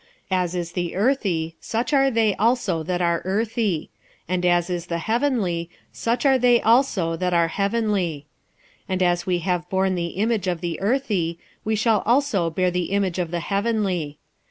46:015:048 As is the earthy, such are they also that are earthy: and as is the heavenly, such are they also that are heavenly. 46:015:049 And as we have borne the image of the earthy, we shall also bear the image of the heavenly.